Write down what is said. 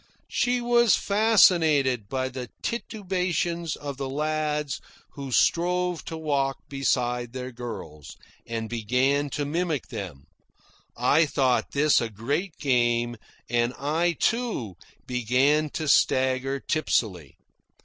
She was fascinated by the titubations of the lads who strove to walk beside their girls, and began to mimic them. I thought this a great game, and I, too, began to stagger tipsily.